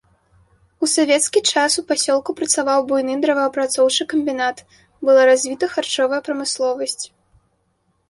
У савецкі час у пасёлку працаваў буйны дрэваапрацоўчы камбінат, была развіта харчовая прамысловасць.